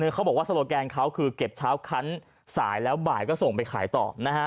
เขาบอกว่าโซโลแกนเขาคือเก็บเช้าคันสายแล้วบ่ายก็ส่งไปขายต่อนะฮะ